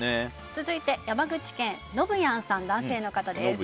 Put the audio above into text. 続いて、山口県の男性の方です。